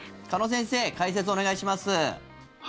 鹿野先生解説お願いします。